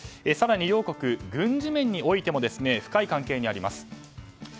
両国、軍事面においても深い関係にあります。